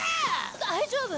大丈夫？